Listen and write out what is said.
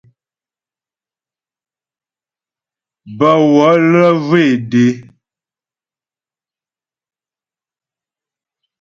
Bə̀ wələ zhwé dé.